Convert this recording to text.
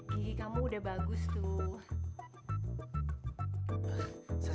gigi kamu udah bagus tuh